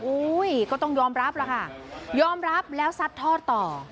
ก็ต้องยอมรับล่ะค่ะยอมรับแล้วซัดทอดต่อ